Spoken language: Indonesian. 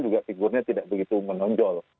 juga figurnya tidak begitu menonjol